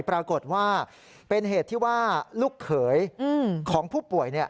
ปรากฏว่าเป็นเหตุที่ว่าลูกเขยของผู้ป่วย